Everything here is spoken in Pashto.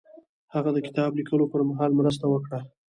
هغه د کتاب لیکلو پر مهال مرسته وکړه.